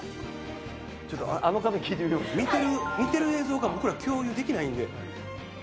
見てる映像が僕ら共有できないんで。